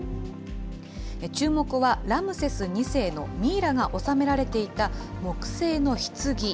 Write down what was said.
注目はラムセス２世のミイラがおさめられていた木製のひつぎ。